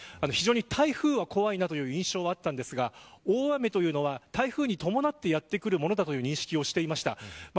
非常に台風は怖いという印象はあったんですが大雨というのは台風に伴ってやってくるものという認識をしていました。